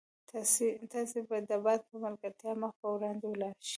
تاسي به د باد په ملګرتیا مخ په وړاندې ولاړ شئ.